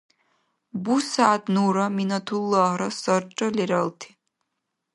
БусягӀят нура Минатуллагьра сарра лералти.